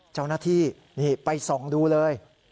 เจ้าหน้าที่นี่ไปส่องดูเลย